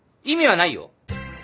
意味はないよ。